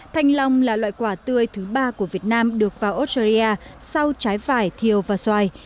thanh long là loại quả tươi thứ ba của việt nam được vào australia sau trái vải thiều và xoài